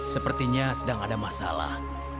sepertinya sedang ada masalah